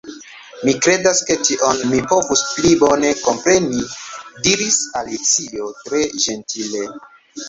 "Mi kredas ke tion_ mi povus pli bone kompreni," diris Alicio tre ĝentile. "